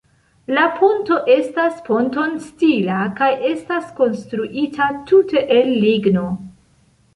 La ponto estas ponton-stila kaj estas konstruita tute el ligno.